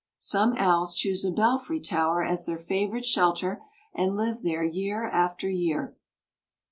Some owls choose a belfry tower as their favorite shelter, and live there year after year.